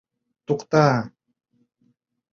— Тукта!